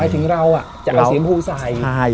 ถึงเราจะเอาสีชมพูใส่